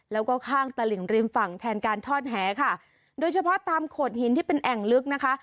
แล้วก็ข้างตลิ่งริมฝั่งแทนการทอดแหค่ะโดยเฉพาะตามโขดหินที่เป็นแอ่งลึกนะคะ